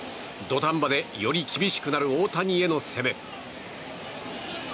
土壇場でより厳しくなる大谷への攻め。